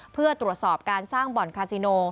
เพื่อตรวจสอบการสร้างบ่อนคาซิโน